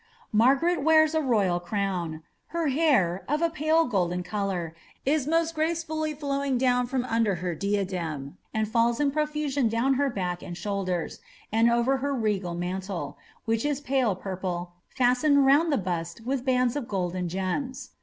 Maigarct wears a royal crown ; her hair, of a pale golden ccuour, is most gracefully flowing from under her diadem, and falls in profusion down her back and shoulders, and over her regal niantlcy which is pale purple, fastened round the bust widi bands of gold and gems.